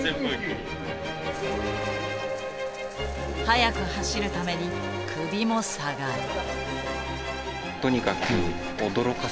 速く走るために首も下がる。